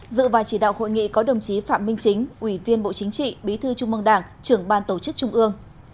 dự và chỉ đạo hội nghị có đồng chí phạm minh chính ủy viên bộ chính trị bí thư trung mương đảng trưởng ban tổ chức trung ương